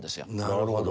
なるほど。